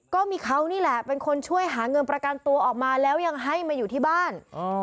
ก็มีเขานี่แหละเป็นคนช่วยหาเงินประกันตัวออกมาแล้วยังให้มาอยู่ที่บ้าน